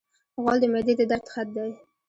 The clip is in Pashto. غول د معدې د درد خط دی.